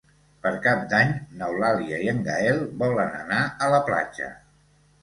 Per Cap d'Any n'Eulàlia i en Gaël volen anar a la platja.